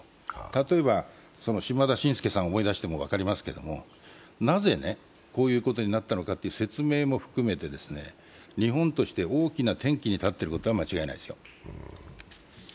例えば島田紳助さんを思い出しても分かりますけれどもなぜこういうことになったのかという説明も含めて日本として大きな転機に立っていることは間違いないですよ。